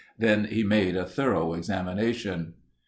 Then he made a thorough examination.